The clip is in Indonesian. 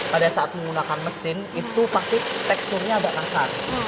pada saat menggunakan mesin itu pasti teksturnya agak kasar